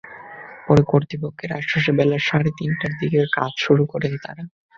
পরে কর্তৃপক্ষের আশ্বাসে বেলা সাড়ে তিনটার দিকে কাজ শুরু করেন তাঁরা।